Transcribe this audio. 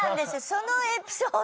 そのエピソードが。